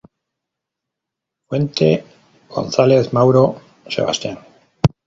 Fuente: "Gonzalez, Mauro Sebastian.